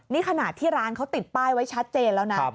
นี่ขนาดที่ร้านเขาติดป้ายไว้ชัดเจนแล้วนะ